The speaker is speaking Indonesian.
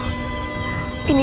sebagai pembawa ke dunia